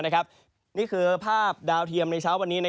นี่คือภาพดาวเทียมในเช้าวันนี้